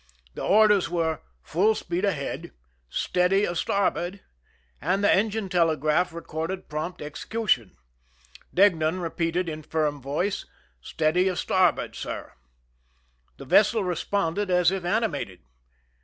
The orders were: "Full speed ahead !"" Steady astai'board !" and the en gine telegraph recorded prompt execution, Deignan repeating in firm voice :" Steady astarboard, sir." The vessel responded as if animated.